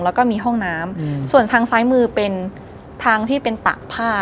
แล้วก็มีห้องน้ำส่วนทางซ้ายมือเป็นทางที่เป็นตากผ้า